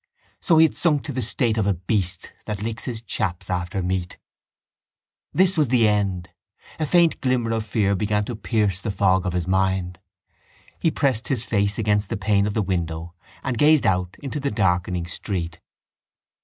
So he had sunk to the state of a beast that licks his chaps after meat. This was the end; and a faint glimmer of fear began to pierce the fog of his mind. He pressed his face against the pane of the window and gazed out into the darkening street.